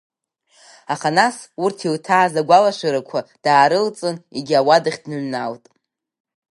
Аха нас, урҭ илҭааз агәалашәарақәа даарылҵын, егьи ауадахь дныҩналт.